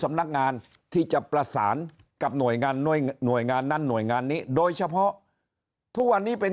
สำนักงานที่จะประสานกับหน่วยงานหน่วยงานนั้นหน่วยงานนี้โดยเฉพาะทุกวันนี้เป็น